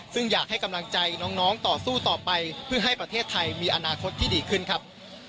ซึ่งอยากให้กำลังใจน้องต่อสู้ต่อไปเพื่อให้ประเทศไทยมีอนาคตที่ดีขึ้นครับ